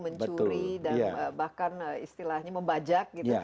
mencuri dan bahkan istilahnya membajak gitu